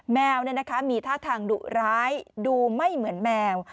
แมวมีท่าทางดุร้ายดูไม่เหมือนแมว